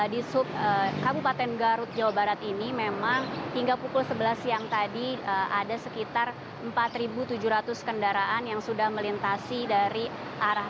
di sub kabupaten garut jawa barat ini memang hingga pukul sebelas siang tadi ada sekitar empat tujuh ratus kendaraan yang sudah melintasi dari arah